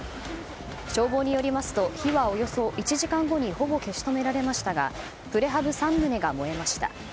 消防によりますと火はおよそ１時間後にほぼ消し止められましたがプレハブ３棟が燃えました。